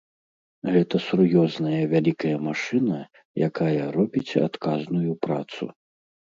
Гэта сур'ёзная вялікая машына, якая робіць адказную працу.